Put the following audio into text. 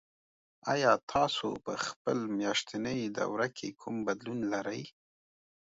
ایا تاسو په خپل میاشتني دوره کې کوم بدلون لرئ؟